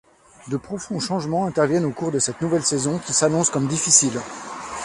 De profonds changements interviennent au cours de cette nouvelle saison, qui s'annonce comme difficile.